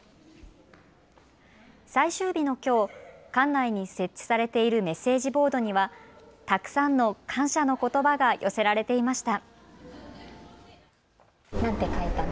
最終日のきょう、館内に設置されているメッセージボードにはたくさんの感謝のことばが寄せられていました。